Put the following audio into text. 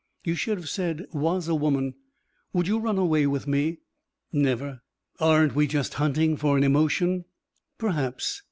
You should have said 'was a woman.'" "Would you run away with me?" "Never." "Aren't we just hunting for an emotion?" "Perhaps.